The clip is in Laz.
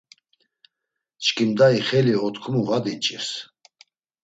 Çkimda ixeli otkumu va diç̆irs.